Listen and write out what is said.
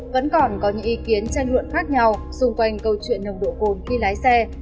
vẫn còn có những ý kiến tranh luận khác nhau xung quanh câu chuyện nồng độ cồn khi lái xe